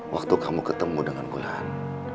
waktu kamu ketemu dengan gulaan